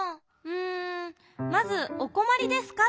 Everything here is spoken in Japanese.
うんまず「おこまりですか？」